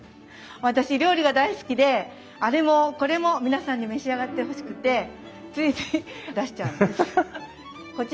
私料理が大好きであれもこれも皆さんに召し上がってほしくてついつい出しちゃうんです。